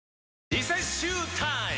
リセッシュータイム！